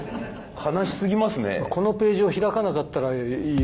悲しすぎますね。